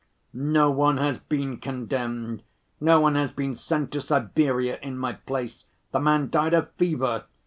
No one has been condemned, no one has been sent to Siberia in my place, the man died of fever.